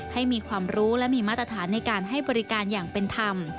ให้มีความรู้และมีมาตรฐานในการให้บริการอย่างเป็นธรรม